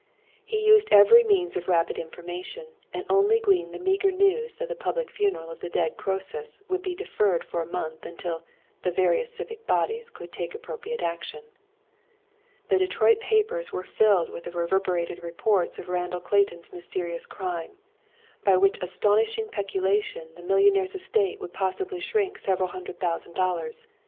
He used every means of rapid information, and only gleaned the meager news that the public funeral of the dead Croesus would be deferred for a month until the "various civic bodies" could "take appropriate action." The Detroit papers were filled with the reverberated reports of Randall Clayton's mysterious crime, "by which astounding peculation, the millionaire's estate would possibly shrink several hundred thousand dollars."